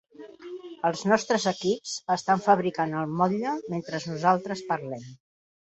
Els nostres equips estan fabricant el motlle mentre nosaltres parlem.